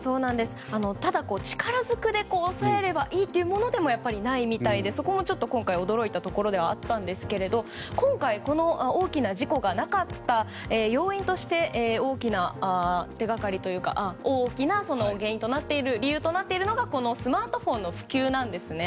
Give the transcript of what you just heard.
ただ、力ずくで抑えればいいというものでもないみたいでそこもちょっと今回驚いたところですが今回、大きな事故がなかった要因として大きな理由となっているのはこのスマートフォンの普及なんですね。